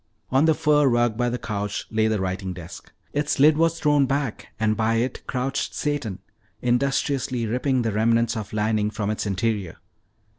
On the fur rug by the couch lay the writing desk. Its lid was thrown back and by it crouched Satan industriously ripping the remnants of lining from its interior.